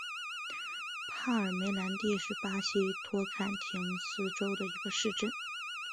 帕尔梅兰蒂是巴西托坎廷斯州的一个市镇。